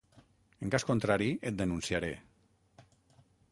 En cas contrari, et denunciaré.